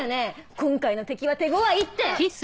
今回の敵は手ごわいって！